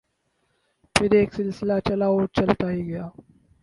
پھر ایک سلسلہ چلا اور چلتا ہی گیا۔